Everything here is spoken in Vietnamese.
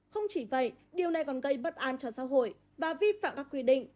không chỉ vậy điều này còn gây bất an cho xã hội và vi phạm các quy định